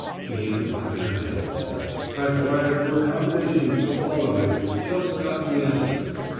Jane clapped her hands. "I've wired for accommodations for all of you just got the answer.